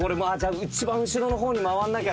一番後ろの方に回んなきゃとか。